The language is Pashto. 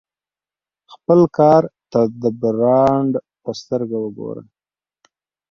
خپل کار ته د برانډ په سترګه وګوره.